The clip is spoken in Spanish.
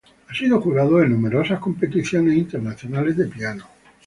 Ha sido jurado de numerosas competencias internacionales de piano.